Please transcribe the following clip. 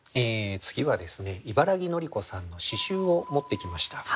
次は茨木のり子さんの詩集を持ってきました。